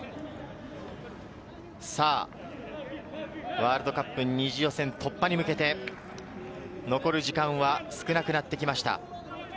ワールドカップ２次予選突破に向けて、残る時間は少なくなってきました。